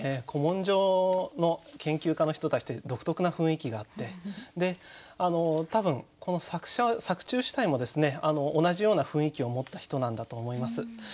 古文書の研究家の人たちって独特な雰囲気があってで多分この作中主体も同じような雰囲気を持った人なんだと思います。